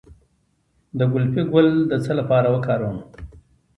د ګلپي ګل د څه لپاره وکاروم؟